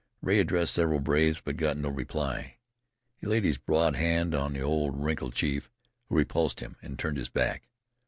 Rea addressed several braves, but got no reply. He laid his broad hand on the old wrinkled chief, who repulsed him, and turned his back.